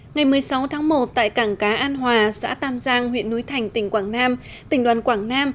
ngày một mươi sáu tháng một tại cảng cá an hòa xã tam giang huyện núi thành tỉnh quảng nam tỉnh đoàn quảng nam